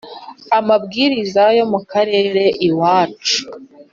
amabwiriza yo mukarere iwacu